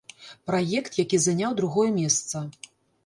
Праект, які заняў другое месца.